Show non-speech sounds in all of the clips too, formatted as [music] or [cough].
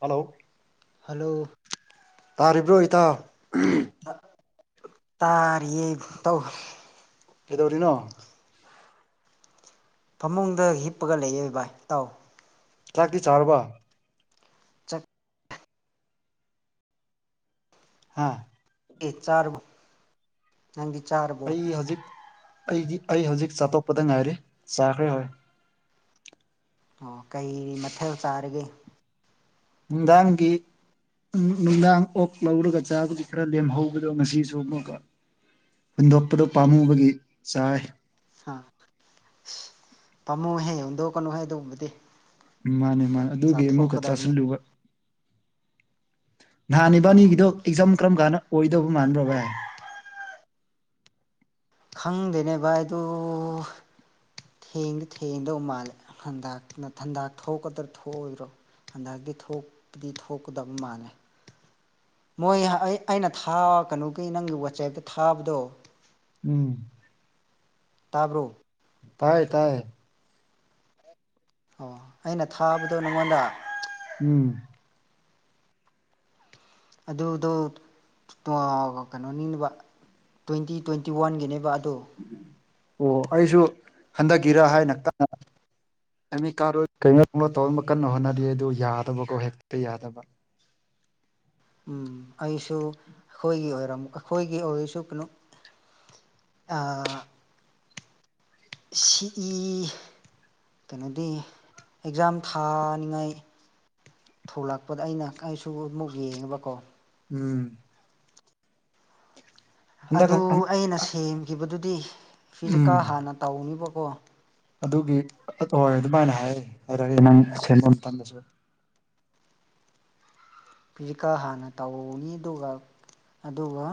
Hello hello ꯇꯥꯔꯤꯕ꯭ꯔꯣ ꯏꯇꯥꯎ ꯎꯝ ꯇ ꯇꯥꯔꯤꯌꯦ ꯇꯧ ꯀꯩꯗꯧꯔꯤꯅꯣ ꯐꯃꯨꯡꯗ ꯍꯤꯞꯄꯒ ꯂꯩꯌꯦ ꯚꯥꯏ ꯏꯇꯥꯎ ꯆꯥꯛꯇꯤ ꯆꯥꯔꯕ ꯆꯠ ꯍꯥꯥ ꯑꯦ ꯆꯥꯔꯃ ꯅꯪꯗꯤ ꯆꯥꯔꯞ ꯑꯩ ꯍꯧꯖꯤꯛ ꯑꯩꯗꯤ ꯑꯩ ꯍꯧꯖꯤꯛ ꯆꯥꯇꯣꯛꯄꯗ ꯉꯥꯏꯔꯤ ꯆꯥꯈ꯭ꯔꯦ ꯍꯣꯏ ꯑꯣ ꯀꯩ ꯃꯊꯦꯜ ꯆꯥꯔꯒꯦ ꯅꯨꯡꯗꯥꯡꯒꯤ ꯎꯝ ꯅꯨꯡꯗꯥꯡ ꯑꯣꯛ ꯂꯧꯔꯒ ꯆꯥꯕꯒꯤ ꯈꯔ ꯂꯦꯝꯍꯧꯕꯗꯣ ꯉꯁꯤꯁꯨ ꯑꯃꯨꯛꯒ ꯍꯨꯟꯗꯣꯛꯄꯗꯨ ꯄꯥꯝꯃꯨꯕꯒꯤ ꯆꯥꯏ ꯑꯥ ꯁꯤ ꯄꯥꯝꯃꯨꯍꯦ ꯍꯨꯟꯗꯣꯛꯀꯅꯨ ꯍꯦ ꯑꯗꯨꯒꯨꯝꯕꯗꯤ ꯎꯝ ꯃꯥꯅꯦ ꯃꯥ ꯑꯗꯨꯒꯤ ꯑꯃꯨꯛꯀ ꯆꯥꯁꯤꯜꯂꯨꯕ ꯅꯍꯥꯟ ꯑꯥ ꯏꯕꯥꯟꯅꯤꯒꯤꯗꯣ ꯑꯦꯛꯖꯥꯝ ꯀꯔꯝ ꯀꯥꯟꯗ ꯑꯣꯏꯗꯧꯕ ꯃꯥꯟꯕ꯭ꯔꯣ ꯚꯥꯢ ꯈꯪꯗꯦꯅꯦ ꯚꯥꯏ ꯑꯗꯣ ꯊꯦꯡꯗꯤ ꯊꯦꯡꯗꯧ ꯃꯥꯜꯂꯦ ꯍꯟꯗ ꯅꯊꯟꯗꯥ ꯊꯣꯛꯀꯗꯔ ꯊꯣꯛꯑꯣꯏꯔꯣ ꯍꯟꯗꯛꯇꯤ ꯊꯣꯛꯄꯗꯤ ꯊꯣꯛꯀꯗꯕ ꯃꯥꯜꯂꯦ ꯃꯣꯏ ꯑꯩ ꯑꯩꯅ ꯊꯥ ꯀꯩꯅꯣꯒꯤ ꯅꯪꯒꯤ ꯋꯥꯆꯦꯞꯇ ꯊꯥꯕꯗꯣ ꯎꯝ ꯇꯥꯕ꯭ꯔꯣ ꯇꯥꯏ ꯇꯥꯏ ꯑꯣ ꯑꯩꯅ ꯊꯥꯕꯗꯣ ꯅꯪꯉꯣꯟꯗ ꯎꯝ ꯑꯗꯨꯗꯣ ꯄꯥ ꯀꯩꯅꯣꯅꯤꯗꯕ ꯇꯣꯏꯟꯇꯤ ꯇꯣꯏꯟꯇꯤ ꯋꯥꯟꯒꯤꯅꯦꯕ ꯑꯗꯣ ꯑꯣ ꯑꯩꯁꯨ ꯍꯟꯗꯛꯀꯤꯔ ꯍꯥꯏꯅ ꯇꯥ ꯑꯦꯃꯤ ꯀꯥꯔꯣꯏ ꯀꯩꯅꯣ ꯑꯃ ꯇꯧꯅꯕ ꯀꯟꯅ ꯍꯣꯠꯅꯔꯤ ꯑꯗꯨ ꯌꯥꯗꯕꯀꯣ ꯍꯦꯛꯇ ꯌꯥꯗꯕ ꯎꯝ ꯑꯩꯁꯨ ꯑꯩꯈꯣꯏꯒꯤ ꯑꯣꯏꯔꯝ ꯑꯩꯈꯣꯏꯒꯤ ꯑꯣꯏꯔꯁꯨ ꯀꯩꯅꯣ ꯑꯥ ꯁꯤ ꯏ ꯀꯩꯅꯣꯗꯤ ꯑꯦꯛꯖꯥꯝ ꯊꯥꯅꯤꯡꯉꯥꯏ ꯊꯣꯂꯛꯄꯗ ꯑꯩꯅ ꯑꯩꯁꯨ ꯑꯃꯨꯛ ꯌꯦꯡꯉꯦꯕꯀꯣ ꯎꯝ ꯍꯟꯗꯛ ꯑꯗꯨ ꯑꯩꯅ ꯁꯦꯝꯈꯤꯕꯗꯨꯗꯤ ꯐꯤꯖꯤꯀꯦꯜ ꯎꯝ ꯍꯥꯟꯅ ꯇꯧꯅꯤꯕꯀꯣ ꯑꯗꯨꯒꯤ ꯍꯣꯏ ꯑꯗꯨꯃꯥꯏꯅ ꯍꯥꯏ ꯍꯥꯏꯔꯛꯑꯦ ꯅꯪ ꯁꯦꯝꯕ ꯃꯇꯝꯗꯁꯨ ꯐꯤꯖꯤꯀꯦꯜ ꯍꯥꯟꯅ ꯇꯧꯅꯤ ꯑꯗꯨꯒ ꯑꯗꯨꯒ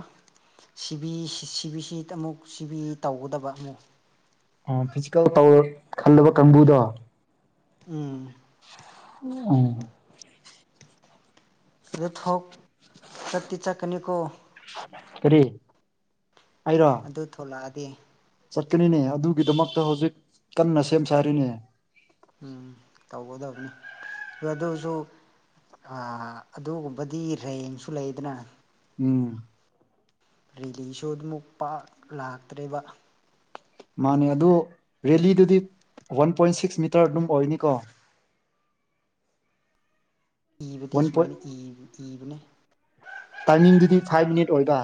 ꯁꯤꯕꯤ ꯁꯤꯕꯤ ꯁꯤ ꯑꯃꯨꯛ ꯁꯤꯕꯤ ꯇꯧꯒꯗꯕ ꯑꯃꯨꯛ ꯑꯣ ꯐꯤꯖꯤꯀꯦꯜ ꯇꯧꯔ ꯈꯜꯂꯕ ꯀꯥꯡꯕꯨꯗꯣ ꯎꯝ ꯎꯝ ꯑꯗꯨ ꯊꯣꯛ ꯆꯠꯇꯤ ꯆꯠꯀꯅꯤꯀꯣ ꯀꯔꯤ ꯑꯩꯔꯣ ꯗꯨ ꯊꯣꯛꯂꯥꯛꯑꯗꯤ ꯆꯠꯀꯅꯤꯅꯦ ꯑꯗꯨꯒꯤꯗꯃꯛꯇ ꯍꯧꯖꯤꯛ ꯀꯟꯅ ꯁꯦꯝ ꯁꯥꯔꯤꯅꯦ ꯎꯝ ꯇꯧꯒꯗꯕꯅꯤ ꯍꯣꯏ ꯑꯗꯨꯁꯨ ꯑꯥ ꯑꯗꯨꯒꯨꯝꯕꯗꯤ ꯔꯦꯡꯁꯨ ꯂꯩꯌꯦꯗꯅ ꯎꯝ ꯔꯦꯂꯤꯁꯨ ꯑꯗꯨꯃꯨꯛ ꯄꯥꯛ ꯂꯥꯛꯇ꯭ꯔꯦꯕ ꯃꯥꯅꯦ ꯑꯗꯨ ꯔꯦꯂꯤꯗꯗꯤ ꯋꯥꯟ ꯄꯣꯏꯟ ꯁꯤꯛꯁ ꯃꯤꯇꯔ ꯑꯗꯨꯝ ꯑꯣꯏꯒꯅꯤꯀꯣ ꯏꯕꯗꯤ ꯋꯥꯟ ꯄꯣꯏꯟ ꯁꯨꯃꯥꯏꯅ ꯏ ꯏꯕꯅꯦ ꯇꯥꯏꯃꯤꯡꯗꯨꯗꯤ ꯐꯥꯏꯚ ꯃꯤꯅꯤꯠ ꯑꯣꯏꯗ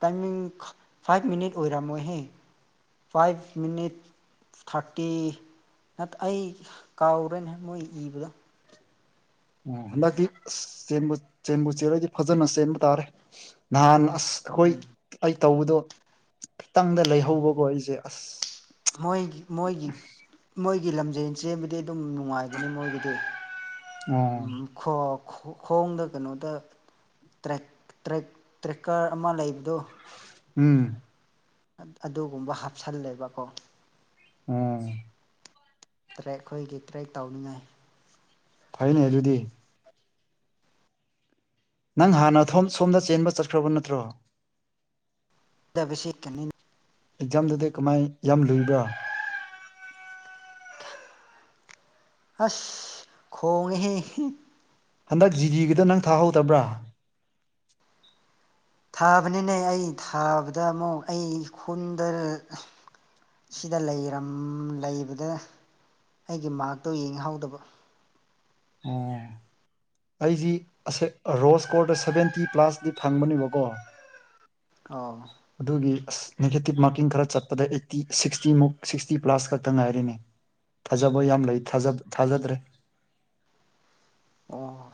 ꯇꯥꯏꯃꯤꯡ ꯈꯪ ꯐꯥꯏꯚ ꯃꯤꯅꯤꯠ ꯑꯣꯏꯔꯝꯃꯣꯏꯍꯦ ꯐꯥꯏꯚ ꯃꯤꯅꯤꯠ ꯊꯥꯔꯇꯤ ꯅꯠ ꯑꯩ ꯀꯥꯎꯔꯦꯅꯦ ꯃꯣꯏ ꯏꯕꯗꯣ ꯑꯣ ꯍꯟꯗꯛꯇꯤ ꯑꯁ ꯆꯦꯟꯕꯨ ꯆꯦꯟꯕꯨ ꯆꯦꯟꯂꯗꯤ ꯐꯥꯖꯅ ꯆꯦꯟꯕ ꯇꯥꯔꯦ ꯅꯍꯥꯟ ꯑꯁ ꯑꯈꯣꯏ ꯎꯝ ꯑꯩ ꯇꯧꯕꯗꯣ ꯈꯤꯇꯪꯗ ꯂꯩꯍꯧꯕꯀꯣ ꯑꯩꯖꯦ ꯑꯁ ꯍꯣꯏ ꯃꯣꯏꯒꯤ ꯃꯣꯏꯒꯤ ꯂꯝꯖꯦꯟ ꯆꯦꯟꯕꯗꯗꯤ ꯑꯗꯨꯝ ꯅꯨꯡꯉꯥꯏꯕꯅꯦ ꯃꯣꯏꯒꯤꯗꯤ ꯑꯣ ꯎꯝ ꯈꯣ ꯈꯣꯡꯗ ꯀꯩꯅꯣꯗ ꯇ꯭ꯔꯦꯛ ꯇ꯭ꯔꯦꯛ ꯇ꯭ꯔꯦꯛꯀ꯭ꯔ ꯑꯃ ꯂꯩꯕꯗꯣ ꯎꯝ ꯑꯥ ꯑꯗꯨꯒꯨꯝꯕ ꯍꯥꯞꯁꯜꯂꯦꯕꯀꯣ ꯎꯝ ꯇ꯭ꯔꯦꯛ ꯈꯣꯏꯒꯤ ꯇ꯭ꯔꯦꯛ ꯇꯧꯅꯤꯡꯉꯥꯏ ꯐꯩꯅꯦ ꯑꯗꯨꯨꯗꯤ ꯅꯪ ꯍꯥꯟꯅ ꯊꯣꯝ ꯁꯣꯝꯗ ꯆꯦꯟꯕ ꯆꯠꯈ꯭ꯔꯕ ꯅꯠꯇ꯭ꯔꯣ [unintelligible] ꯑꯦꯛꯖꯥꯝꯗꯨꯗꯤ ꯀꯃꯥꯏ ꯌꯥꯝ ꯂꯨꯏꯕ꯭ꯔꯥ ꯑꯁ ꯈꯣꯡꯉꯦꯍꯦ ꯍꯟꯗꯛ ꯖꯤꯗꯤꯒꯤꯗꯣ ꯅꯪ ꯊꯥꯍꯧꯗꯕ꯭ꯔꯥ ꯊꯥꯕꯅꯤꯅꯦ ꯑꯩ ꯊꯥꯕꯗ ꯑꯃꯨꯛ ꯑꯩ ꯈꯨꯟꯗ ꯁꯤꯗ ꯂꯩꯔꯝ ꯂꯩꯕꯗ ꯑꯩꯒꯤ ꯃꯥꯔꯛꯇꯣ ꯌꯦꯡꯍꯧꯗꯕ ꯫ ꯑꯣ [unintelligible] ꯑꯩꯖꯤ ꯑꯁꯦ ꯔꯣꯁ ꯀꯣꯔꯗ ꯁꯚꯦꯟꯇꯤ ꯄ꯭ꯂꯥꯁꯇꯤ ꯐꯪꯕꯅꯦꯕꯀꯣ ꯑꯧ꯫ ꯑꯗꯨꯒꯤ ꯑꯁ ꯅꯦꯒꯦꯇꯤꯞ ꯃꯥꯔꯀꯤꯡ ꯈꯔ ꯆꯠꯄꯗ ꯑꯩꯠꯇꯤ ꯁꯤꯛꯁꯇꯤ ꯃꯨꯛ ꯁꯤꯛꯁꯇꯤ ꯄ꯭ꯂꯥꯁ ꯈꯛꯇ ꯉꯥꯏꯔꯦꯅꯦ꯫ ꯊꯥꯖꯕ ꯌꯥꯝ ꯂꯩ ꯊꯥꯖ ꯊꯥꯖꯗ꯭ꯔꯦ꯫ ꯑꯣ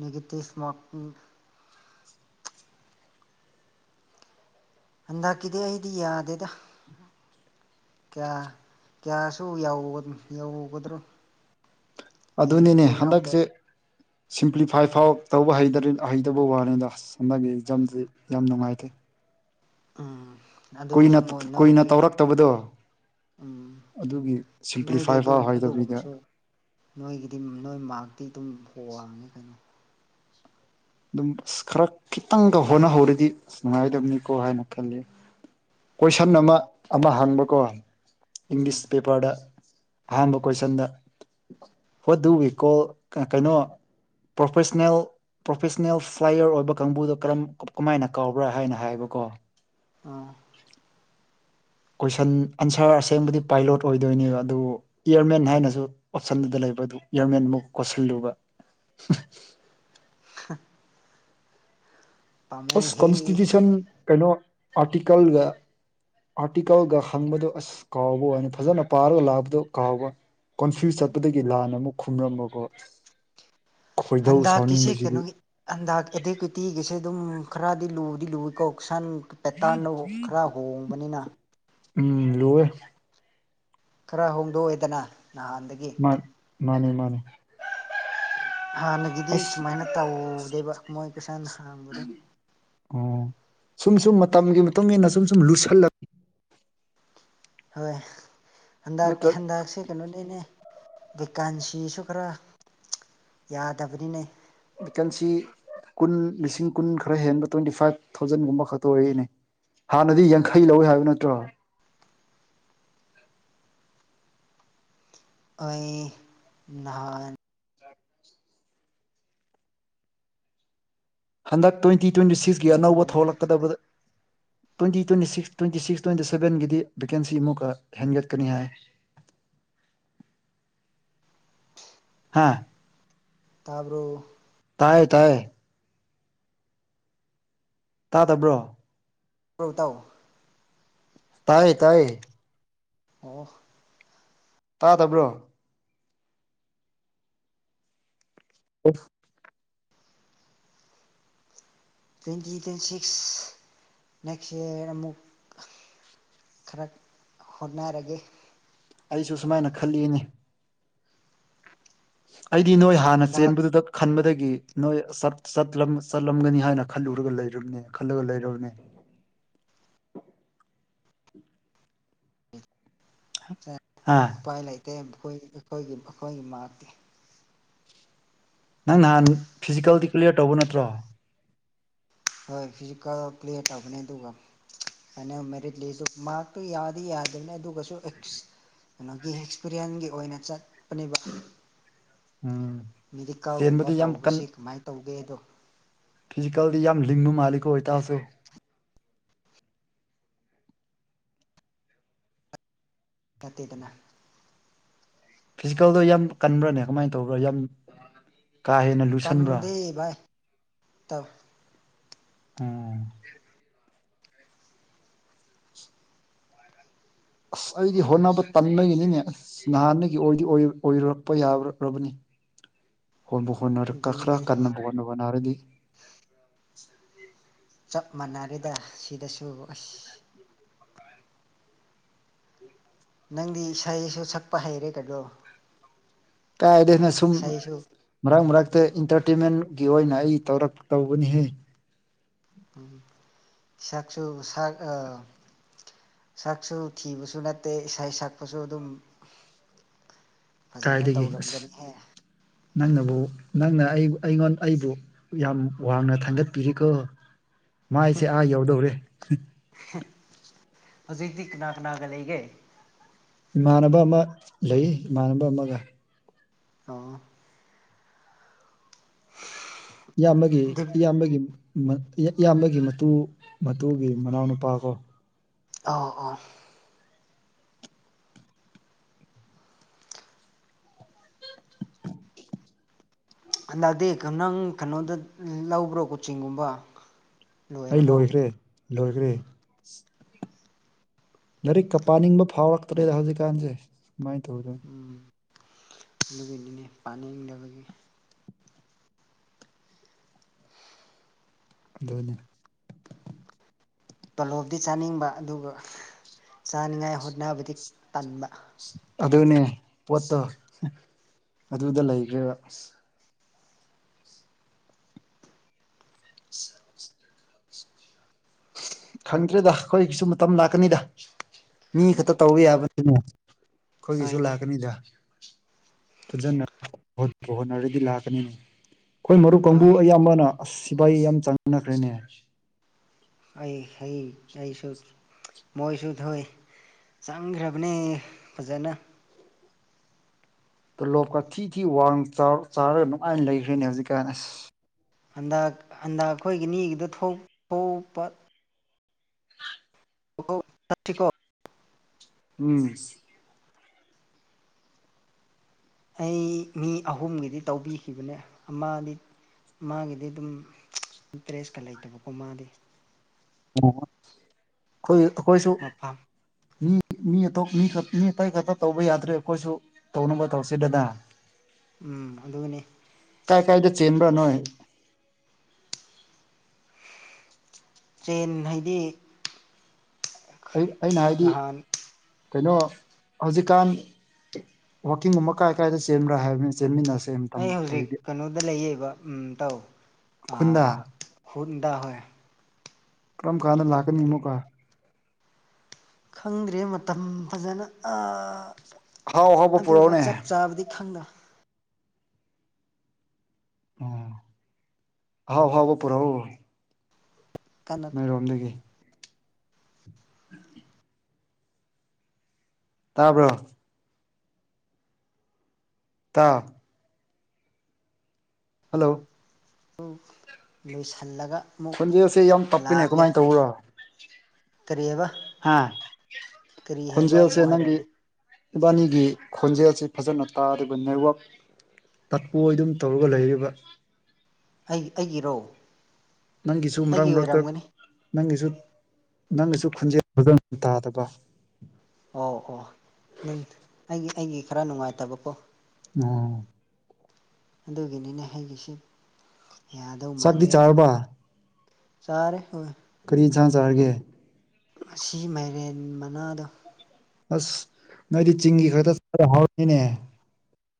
ꯅꯦꯒꯦꯇꯤꯚ ꯃꯥꯔꯀꯤꯡ ꯍꯟꯗꯛꯀꯤꯗꯤ ꯑꯩꯗꯤ ꯌꯥꯗꯦꯗ ꯫ ꯀꯌꯥ ꯀꯌꯥꯁꯨ ꯌꯧꯒ ꯌꯧꯒꯗ꯭ꯔꯣ? ꯌꯦꯡꯁꯨ ꯑꯗꯨꯅꯤꯅꯦ ꯌꯦꯡꯍꯧꯗꯦ ꯍꯟꯗꯛꯖꯦ ꯁꯤꯝꯄ꯭ꯂꯤꯐꯥꯏ ꯐꯥꯎ ꯇꯧꯕ ꯍꯩꯗꯔꯤ ꯍꯩꯗꯕ ꯋꯥꯅꯤꯗ ꯑꯁ ꯍꯟꯗꯛꯒꯤ ꯑꯦꯛꯖꯥꯝꯗꯤ ꯌꯥꯝ ꯅꯨꯡꯉꯥꯏꯇꯦ꯫ ꯎꯝ ꯑꯗꯨꯁꯨ ꯀꯨꯏꯅ ꯃꯣꯏ ꯀꯨꯏꯅ ꯅꯣꯏꯒꯤ ꯇꯧꯔꯛꯇꯕꯗꯣ ꯎꯝ ꯑꯗꯨꯒꯤ ꯅꯣꯏꯗꯤ ꯁꯤꯝꯄ꯭ꯂꯤꯐꯥꯏ ꯑꯗꯨ ꯐꯥꯎ ꯍꯩꯇꯕꯤꯗ ꯑꯗꯨꯒꯨꯝꯕꯁꯨ ꯅꯣꯏꯒꯤꯗꯤ ꯅꯣꯏ ꯃꯥꯔꯛꯇꯤ ꯑꯗꯨꯝ ꯋꯥꯡꯉꯤ ꯀꯩꯅꯣ ꯫ ꯑꯗꯨꯝ ꯑꯁ ꯈꯔ ꯈꯤꯇꯪꯒ ꯍꯣꯠꯅꯍꯧꯔꯗꯤ ꯅꯨꯡꯉꯥꯏꯗꯕꯅꯤꯀꯣ ꯍꯥꯏꯅ ꯈꯜꯂꯦ ꯫ ꯀꯣꯏꯁꯟ ꯎꯝ ꯑꯃ ꯑꯃ ꯍꯪꯕꯀꯣ ꯎꯝ ꯏꯪꯂꯤꯁ ꯄꯦꯄꯔꯗ ꯑꯍꯥꯟꯕ ꯀꯣꯏꯁꯟꯗ ꯋꯥꯠ ꯗꯨ ꯋꯤ ꯀꯣꯜ ꯀꯩꯅꯣ ꯄ꯭ꯔꯣꯐꯦꯁꯅꯦꯜ ꯄ꯭ꯔꯣꯐꯦꯁꯅꯦꯜ ꯐ꯭ꯂꯥꯏꯌꯔ ꯑꯣꯏꯕ ꯀꯥꯡꯕꯨꯗꯣ ꯀꯔꯝ ꯀꯃꯥꯏꯅ ꯀꯥꯎꯕ꯭ꯔꯥ? ꯍꯥꯏꯅ ꯍꯥꯏꯌꯦꯕꯀꯣ ꯑ ꯀꯣꯏꯁꯟ ꯑꯟꯁꯔ ꯑꯁꯦꯡꯕꯗꯤ ꯄꯥꯏꯂꯣꯠ ꯑꯣꯏꯗꯣꯏꯅꯦꯕ ꯑꯗꯨ ꯏꯌꯥꯔꯃꯦꯟ ꯍꯥꯏꯅꯁꯨ ꯑꯣꯞꯁꯟꯗꯨꯗ ꯂꯩꯕ ꯑꯗꯨ ꯏꯌꯥꯔꯃꯦꯟꯃꯨꯛ ꯀꯣꯠꯁꯤꯜꯂꯨꯕ ꯍ ꯑꯁ ꯀꯣꯟꯁꯇꯤꯇ꯭ꯌꯨꯁꯟ ꯀꯩꯅꯣ ꯑꯥꯔꯇꯤꯀꯜꯒ ꯑꯥꯔꯇꯤꯀꯜꯒ ꯍꯪꯕꯗꯣ ꯑꯁ ꯀꯥꯎꯕ ꯋꯥꯅꯤ ꯐꯖꯅ ꯄꯥꯔꯒ ꯂꯥꯛꯕꯗꯣ ꯀꯥꯎꯕ ꯫ ꯀꯣꯟꯐ꯭ꯌꯨꯁ ꯆꯠꯄꯗꯒꯤ ꯂꯥꯟꯅ ꯑꯃꯨꯛ ꯈꯨꯝꯔꯝꯕꯀꯣ꯫ ꯈꯣꯏꯗꯧ ꯍꯟꯗꯛꯀꯤꯁꯦ ꯁꯥꯎꯅꯤꯡꯕꯁꯤꯗꯤ ꯀꯩꯅꯣꯒꯤ ꯍꯟꯗꯛ ꯑꯦꯇꯦꯛꯇꯤꯒꯤꯁꯦ ꯑꯗꯨꯝ ꯈꯔꯗꯤ ꯂꯨꯗꯤ ꯂꯨꯏꯌꯦꯀꯣ ꯀꯣꯁꯟ ꯄꯦꯇꯥꯟꯅꯃꯨꯛ [unintelligible] ꯈꯔ ꯍꯣꯡꯕꯅꯤꯅ ꯎꯝ ꯂꯨꯋꯦ꯫ ꯈꯔ ꯍꯣꯡꯗꯣꯛꯑꯦꯗꯅ ꯅꯍꯥꯟꯗꯒꯤ ꯫ [unintelligible] ꯃꯥꯅꯦ ꯃꯥꯅꯦ ꯍꯥꯟꯅꯒꯤꯗꯤ ꯑꯁ ꯁꯨꯃꯥꯏꯅ ꯇꯧꯗꯦꯕ ꯃꯣꯏ ꯀꯣꯏꯁꯟ ꯍꯪꯕꯗꯣ꯫ ꯑꯣ ꯁꯨꯝ ꯁꯨꯝ ꯃꯇꯝꯒꯤ ꯃꯇꯨꯡ ꯏꯟꯅ ꯁꯨꯝ ꯁꯨꯝ ꯂꯨꯁꯜꯂꯛ ꯍꯣꯏ ꯍꯟꯗꯛ ꯅꯠꯇ꯭ꯔ ꯍꯟꯗꯛꯁꯦ ꯀꯩꯅꯣꯅꯤꯅꯦ ꯚꯦꯀꯥꯟꯁꯤꯁꯨ ꯈꯔ ꯌꯥꯗꯕꯅꯤꯅꯦ꯫ ꯚꯦꯀꯦꯟꯁꯤ ꯀꯨꯟ ꯂꯤꯁꯤꯡ ꯀꯨꯟ ꯈꯔ ꯍꯦꯟꯕ ꯇ꯭ꯋꯦꯟꯇꯤ ꯐꯥꯏꯚ ꯊꯥꯎꯖꯟꯒꯨꯝꯕ ꯈꯛꯇ ꯑꯣꯏꯑꯦꯅꯦ꯫ ꯍꯥꯟꯅꯗꯤ ꯌꯥꯡꯈꯩ ꯂꯧꯏ ꯍꯥꯏꯕ ꯅꯠꯇ꯭ꯔꯣ? ꯑꯩ ꯅꯍꯥꯟ [inaudible] ꯍꯟꯗꯛ ꯇ꯭ꯋꯦꯟꯇꯤ ꯇ꯭ꯋꯦꯟꯇꯤ ꯁꯤꯛꯁꯀꯤ ꯑꯅꯧꯕ ꯊꯣꯛꯂꯛꯀꯗꯕꯗ twenty twenty six twenty six twenty ꯁꯚꯦꯟꯒꯤꯗꯤ ꯚꯦꯀꯦꯟꯁꯤ ꯑꯃꯨꯛꯀ ꯍꯦꯟꯒꯠꯀꯅꯤ ꯍꯥꯏ꯫ ꯍꯥ ꯇꯥꯕ꯭ꯔꯣ? ꯇꯥꯏꯌꯦ ꯇꯥꯏꯌꯦ ꯇꯥꯗꯕ꯭ꯔꯣ ꯑꯧ ꯇꯥꯎ ꯇꯥꯏꯌꯦ ꯇꯥꯏꯌꯦ ꯑꯣꯍ‌ꯣ ꯇꯥꯗꯕ꯭ꯔꯣ [inaudible] twenty twenty six next year ꯑꯃꯨꯛ ꯈꯔ ꯍꯣꯠꯅꯔꯒꯦ ꯑꯩꯁꯨ ꯁꯨꯃꯥꯏꯅ ꯈꯜꯂꯤꯅꯤ ꯑꯩꯗꯤ ꯅꯣꯏ ꯍꯥꯟꯅ ꯍꯟꯗꯛ ꯆꯦꯟꯕꯗꯨꯗꯛ ꯈꯟꯕꯗꯒꯤ ꯅꯣꯏ ꯆꯠ ꯆꯠꯂꯝ ꯆꯠꯂꯝꯒꯅꯤ ꯍꯥꯏꯅ ꯈꯜꯂꯨꯔꯒ ꯂꯩꯔꯨꯝꯅꯦ ꯈꯜꯂꯒ ꯂꯩꯔꯨꯕꯅꯦ ꯑ ꯎꯄꯥꯏ ꯂꯩꯇꯦ ꯃꯈꯣꯏꯒꯤ ꯑꯩꯈꯣꯏꯒꯤ ꯃꯈꯣꯏꯒꯤ ꯃꯥꯛꯇꯤ ꯅꯪ ꯅꯍꯥꯟ ꯐꯤꯖꯤꯀꯦꯜꯗꯤ ꯀ꯭ꯂꯤꯌ꯭ꯔ ꯇꯧꯕ ꯅꯠꯇ꯭ꯔꯣ ꯍꯣꯏ ꯐꯤꯖꯤꯀꯦꯜ ꯀ꯭ꯂꯤꯌ꯭ꯔ ꯇꯧꯕꯅꯤ ꯑꯗꯨꯒ ꯐꯥꯏꯅꯦꯜ ꯃꯦꯔꯤꯠ ꯂꯤꯁꯇꯨ ꯃꯥꯛꯇꯨ ꯌꯥꯗꯤ ꯌꯥꯗꯕꯅꯦ ꯑꯗꯨꯒꯁꯨ ꯑꯦꯛꯁ ꯀꯩꯅꯣꯒꯤ ꯑꯦꯛꯁꯄꯤꯔꯤꯌꯦꯟꯒꯤ ꯑꯣꯏꯅ ꯆꯠꯄꯅꯦꯕ ꯎꯝ ꯃꯦꯗꯤꯀꯥꯜꯒꯨꯝꯕ ꯆꯦꯟꯕꯗꯤ ꯌꯥꯝ ꯇꯧꯕꯁꯤ ꯀꯃꯥꯏ ꯇꯧꯒꯦꯗꯣ ꯐꯤꯖꯤꯀꯜꯗꯤ ꯌꯥꯝ ꯂꯤꯡꯕ ꯃꯥꯜꯂꯤꯀꯣ ꯢꯇꯥꯎꯁꯨ ꯇꯠꯇꯦꯗꯅ ꯐꯤꯖꯤꯀꯜꯗꯣ ꯌꯥꯝ ꯀꯟꯕ꯭ꯔꯥꯅꯦ ꯀꯃꯥꯏ ꯇꯧꯕ꯭ꯔꯥ ꯌꯥꯝ ꯀꯥ ꯍꯦꯟꯅ ꯂꯨꯁꯟꯕ꯭ꯔꯥ ꯀꯟꯗꯦ ꯕꯥꯢ ꯇꯞ ꯑꯣ ꯑꯁ ꯑꯩꯗꯤ ꯍꯣꯠꯅꯕ ꯇꯟꯕꯒꯤꯅꯤꯅꯦ ꯑꯁ ꯅꯍꯥꯟꯗꯒꯤꯗꯤ ꯑꯣꯢꯗꯤ ꯑꯣꯢ ꯑꯣꯏꯔꯛꯄ ꯌꯥꯕ꯭ꯔꯔꯕꯅꯤ ꯍꯣꯟꯕꯨ ꯍꯣꯠꯅꯔ ꯀꯥ ꯑꯗꯨꯅꯤ ꯈꯔ ꯀꯟꯅꯕꯨ ꯍ‌ꯣꯠꯅ ꯍꯣꯠꯕꯨꯅꯔꯗꯤ ꯆꯞ ꯃꯥꯟꯅꯔꯦꯗ ꯁꯤꯗꯁꯨ ꯑꯁ ꯅꯪꯗꯤ ꯏꯁꯩꯁꯨ ꯁꯛꯄ ꯍꯩꯔꯦ ꯇꯒ꯭ꯂ‌ꯣ ꯀꯥꯢꯗ‌ꯦ ꯅꯁꯨꯝ ꯏꯁꯩꯁꯨ ꯃꯔꯛ ꯃꯔꯛꯇ ꯏꯟꯇ꯭ꯔꯇꯦꯟꯃꯦꯟꯒꯤ ꯑꯣꯏꯅ ꯑꯩ ꯇꯧꯔꯛ ꯇꯧꯕꯅꯤꯍꯦ ꯎꯝ ꯁꯛꯁꯨ ꯁꯛ ꯑꯥ ꯁꯛꯁꯨ ꯊꯤꯕꯁꯨ ꯅꯠꯇꯦ ꯏꯁꯩ ꯁꯛꯄꯁꯨ ꯑꯗꯨꯝ ꯐꯖꯅ ꯀꯗꯥꯏꯒꯤ ꯑꯁ ꯇꯧꯔꯝꯒꯅꯤꯍꯦ ꯅꯪꯅꯕꯨ ꯅꯪꯅ ꯑꯩ ꯑꯩꯉꯣꯟ ꯑꯩꯕꯨ ꯌꯥꯝ ꯋꯥꯡꯅ ꯊꯥꯡꯒꯠꯄꯤꯔꯤꯀꯣ ꯃꯥꯏꯁꯦ ꯑꯥ ꯌꯧꯗꯧꯔꯦ ꯍꯧꯖꯤꯛꯇꯤ ꯀꯅꯥ ꯀꯅꯥꯒ ꯂꯩꯒꯦ ꯏꯃꯥꯟꯅꯕ ꯑꯃ ꯂꯩ ꯏꯃꯥꯟꯅꯕ ꯑꯃꯒ ꯑꯣ ꯏꯌꯥꯝꯕꯒꯤ ꯏꯌꯥꯝꯕꯒꯤ ꯃꯠ ꯏꯌꯥꯝꯕꯒꯤ ꯃꯇꯨ ꯃꯇꯨꯒꯤ ꯃꯅꯥꯎꯅꯨꯄꯥ ꯀꯣ ꯑꯧ ꯑꯣ ꯍꯟꯗꯛꯗꯤ ꯀ ꯅꯪ ꯀꯩꯅꯣꯗ ꯂꯧꯕ꯭ꯔꯣ ꯀꯣꯆꯤꯡꯒꯨꯝꯕ ꯑꯩ ꯂꯣꯏꯔꯕꯣ ꯂꯣꯏꯈ꯭ꯔꯦ ꯂꯣꯏꯒ꯭ꯔꯦ ꯂꯥꯏꯔꯤꯛꯀ ꯄꯥꯅꯤꯡꯕ ꯐꯥꯎꯔꯛꯇ꯭ꯔꯦꯗ ꯍꯧꯖꯤꯛꯀꯥꯟꯁꯦ ꯀꯃꯥꯏ ꯇꯧꯗꯣꯏꯅ‌ꯣ ꯎꯝ ꯑꯗꯨꯒꯤꯅꯤꯅꯦ ꯄꯥꯅꯤꯡꯗꯕꯒꯤ ꯑꯗꯨꯅꯤ ꯇꯣꯂꯣꯞꯇꯤ ꯆꯥꯅꯤꯡꯕ ꯑꯗꯨꯒ ꯆꯥꯅꯤꯡꯉꯥꯏ ꯍꯣꯠꯅꯕꯗꯤ ꯇꯟꯕ ꯑꯗꯨꯅꯦ ꯄꯣꯠꯇꯣ ꯍ ꯑꯗꯨꯗ ꯂꯩꯈ꯭ꯔꯦꯕ [unintelligible] ꯈꯪꯗ꯭ꯔꯦꯗꯥ ꯑꯩꯈꯣꯏꯒꯤꯁꯨ ꯃꯇꯝ ꯂꯥꯛꯀꯅꯤꯗꯥ ꯃꯤ ꯈꯇ ꯇꯧꯕ ꯍꯣꯏ ꯌꯥꯕꯔꯣ [unintelligible] ꯑꯩꯈꯣꯏꯒꯤꯁꯨ ꯍꯣꯏꯅꯦ ꯂꯥꯛꯀꯅꯤꯗꯥ ꯐꯖꯅ ꯍꯣꯠꯄꯨ ꯍꯣꯠꯅꯔꯗꯤ ꯂꯥꯛꯀꯅꯤ ꯈꯣꯏ ꯃꯔꯨꯞ ꯀꯥꯡꯕꯨ ꯍꯣꯏ ꯑꯌꯥꯝꯕꯅ ꯑꯁ ꯁꯤꯕꯥꯏ ꯌꯥꯝ ꯆꯪꯅꯈ꯭ꯔꯦꯅꯦ ꯑꯩ ꯍꯩ ꯑꯩꯁꯨ [unintelligible] ꯃꯣꯏꯁꯨ ꯊꯧꯋꯦ ꯆꯪꯈ꯭ꯔꯕꯅꯦ ꯐꯖꯅ ꯇꯣꯂꯣꯞꯀ ꯊꯤ ꯊꯤ ꯋꯥꯡ ꯆꯥꯎ ꯆꯥꯔꯒ ꯅꯨꯡꯉꯥꯏꯟ ꯂꯩꯈ꯭ꯔꯦꯅꯦ ꯍꯧꯖꯤꯛꯀꯥꯟ ꯑꯁ ꯍꯟꯗꯛ ꯍꯟꯗꯛ ꯈꯣꯏꯒꯤ ꯅꯤꯒꯤꯗꯣ ꯊꯣꯛ ꯊꯣꯛꯄ [unintelligible] [unintelligible] ꯀꯣ ꯎꯝ ꯑꯩ ꯃꯤ ꯑꯍꯨꯝꯒꯤꯗꯤ ꯇꯧꯕꯤꯈꯤꯕꯅꯦ ꯑꯃꯗꯤ ꯃꯥꯒꯤꯗꯤ ꯑꯗꯨꯝ [unintelligible] ꯏꯟꯇ꯭ꯔꯦꯁ ꯀ ꯂꯩꯇꯕꯀꯣ ꯃꯥꯗꯤ ꯑꯣ ꯈꯣꯏ ꯑꯈꯣꯏꯁꯨ ꯃꯐꯝ ꯃꯤ ꯃꯤ ꯑꯇꯣꯝ ꯃꯤ ꯈꯥ ꯃꯤ ꯑꯇꯩ ꯈꯇ ꯇꯧꯕ ꯌꯥꯗ꯭ꯔꯦ ꯑꯈꯣꯏꯁꯨ ꯇꯧꯅꯕ ꯇꯧꯁꯦ ꯗꯅꯥ ꯎꯝ ꯑꯗꯨꯅꯦ ꯀꯥꯢ ꯀꯥꯏꯗ ꯆꯦꯟꯕ꯭ꯔꯥ ꯅꯣꯏ ꯆꯦꯟ ꯍꯥꯏꯗꯤ [unintelligible] ꯑꯩ ꯑꯩꯅ ꯍꯥꯏꯗꯤ ꯅꯍꯥꯟ ꯀꯩꯅꯣ ꯍꯧꯖꯤꯛꯀꯥꯟ ꯋꯥꯛꯀꯤꯡꯒꯨꯝꯕ ꯀꯥꯏ ꯀꯔꯥꯏꯗ ꯆꯦꯟꯕ꯭ꯔꯥ ꯍꯥꯏꯕꯅꯦ ꯆꯦꯟꯃꯤꯟꯅꯁ ꯑꯩ ꯍꯧꯖꯤꯛ ꯀꯩꯅꯣꯗ ꯂꯩꯌꯦꯕ ꯎꯝ ꯇꯧ ꯑꯥ ꯈꯨꯟꯗ ꯈꯨꯟꯗ ꯍꯣꯏ ꯀꯔꯝ ꯀꯥꯟꯗ ꯂꯥꯛꯀꯅꯤ ꯑꯃꯨꯛꯀꯥ ꯈꯪꯗ꯭ꯔꯦ ꯃꯇꯝ ꯐꯖꯅ ꯑꯥ ꯑꯍꯥꯎ ꯑꯍꯥꯎꯕ ꯑꯗꯨꯒ ꯄꯨꯔꯛꯎꯅꯦ ꯆꯞ ꯆꯥꯕꯗꯤ ꯈꯪꯗ ꯑꯣ ꯑꯍꯥꯎ ꯑꯍꯥꯎꯕ ꯄꯨꯔꯑꯣ ꯀꯟꯅ ꯔꯣꯝꯗꯒꯤ ꯇꯥꯕ꯭ꯔꯣ ꯇꯥꯎ ꯍꯜꯂꯣ ꯇꯨ ꯂꯣꯏꯁꯜꯂꯒ ꯈꯣꯟꯖꯦꯜꯁꯦ ꯌꯥꯝ ꯇꯞꯄꯦꯅꯦ ꯀꯃꯥꯏꯟ ꯇꯧꯕ꯭ꯔꯥ ꯀꯔꯤꯑꯦꯕ ꯍꯥ ꯈꯣꯟꯖꯦꯜꯁꯦ ꯑꯃꯨꯛ ꯅꯪꯒꯤ ꯍꯥꯏꯔꯛꯑꯣꯅꯦ ꯏꯕꯥꯅꯤꯒꯤ ꯈꯣꯟꯖꯦꯜꯁꯦ ꯐꯖꯅ ꯇꯥꯗꯦꯕ ꯅꯦꯠꯋꯥꯛ ꯇꯠꯄꯣꯏ ꯑꯗꯨꯝ ꯇꯧꯔꯒ ꯂꯩꯌꯦꯕ ꯑꯩ ꯑꯩꯒꯤꯔꯣ ꯅꯪꯒꯤꯁꯨ ꯃꯔꯛ ꯑꯩꯒꯤ ꯃꯔꯛꯇ ꯑꯣꯏꯔꯝꯒꯅꯤ ꯅꯪꯒꯤꯁꯨ ꯅꯪꯒꯤꯁꯨ ꯈꯨꯟꯖꯦꯜ ꯐꯖꯟ ꯇꯥꯗꯕ ꯑꯣ ꯑꯣ ꯅꯪ ꯑꯩꯒꯤ ꯑꯩꯒꯤ ꯈꯔ ꯅꯨꯡꯉꯥꯏꯇꯕꯀꯣ ꯑꯣ ꯑꯗꯨꯒꯤꯅꯤꯅꯦ ꯑꯩꯒꯤꯁꯤ ꯌꯥꯗꯧ ꯆꯥꯛꯇꯤ ꯃꯥꯟꯗꯦ ꯑꯩꯗꯣ ꯆꯥꯔꯕ ꯆꯥꯔꯦ ꯍꯣꯏ ꯀꯔꯤ ꯏꯟꯁꯥꯡ ꯆꯥꯔꯒꯦ ꯉꯁꯤ ꯃꯥꯏꯔꯦꯟ ꯃꯅꯥꯗꯣ ꯑꯁ ꯅꯣꯏꯗꯤ ꯆꯤꯡꯒꯤ ꯈꯛꯇꯥ [unintelligible] ꯍꯥꯎꯔꯝꯅꯤꯅꯦ